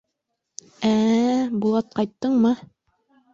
Ә-ә, Булат, ҡайттыңмы?